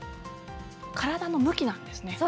体の向きなんですね。